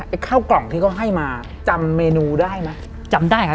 ข้าวกล่องที่เขาให้มาจำเมนูได้ไหมจำได้ครับ